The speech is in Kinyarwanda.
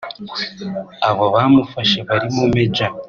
Abo bamufashe barimo Maj